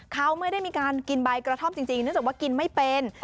เขาไม่ได้มีการกินใบกระท่อมจริงเนื่องจากว่ากินไม่เป็น